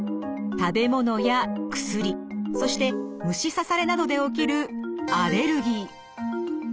食べ物や薬そして虫刺されなどで起きるアレルギー。